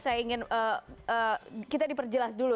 saya ingin kita diperjelas dulu